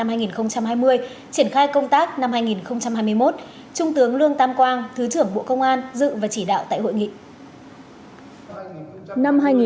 triển khai công tác năm hai nghìn hai mươi một trung tướng lương tam quang thứ trưởng bộ công an dự và chỉ đạo tại hội nghị